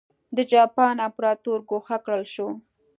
د جاپان امپراتور ګوښه کړل شو.